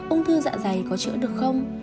ung thư dạ dày có chữa được không